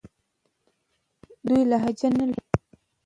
دوی لهجه نه لري.